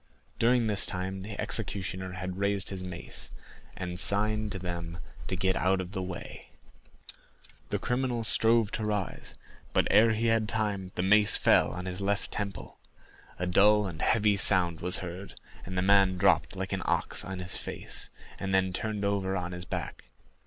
During this time the executioner had raised his mace, and signed to them to get out of the way; the criminal strove to rise, but, ere he had time, the mace fell on his left temple. A dull and heavy sound was heard, and the man dropped like an ox on his face, and then turned over on his back.